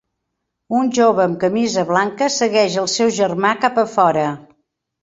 Un jove amb camisa blanca segueix el seu germà cap a fora.